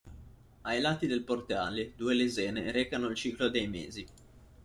Ai lati del portale due lesene recano il ciclo dei mesi.